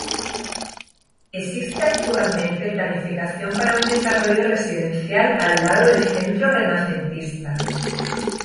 Existe actualmente planificación para un desarrollo residencial al lado de Centro Renacentista.